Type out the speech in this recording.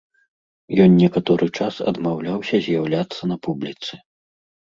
Ён некаторы час адмаўляўся з'яўляцца на публіцы.